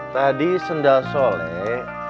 tadi sendal soleh